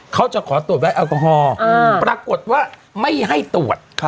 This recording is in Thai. เขาจะขอตรวจไว้แอลกอฮอล์ปรากฏว่าไม่ให้ตรวจ